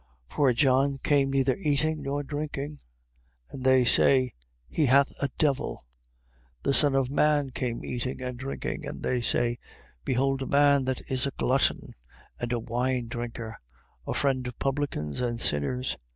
11:18. For John came neither eating nor drinking; and they say: He hath a devil. 11:19. The Son of man came eating and drinking, and they say: Behold a man that is a glutton and a wine drinker, a friend of publicans and sinners.